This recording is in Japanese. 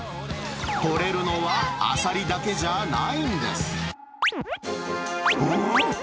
取れるのはアサリだけじゃないんです。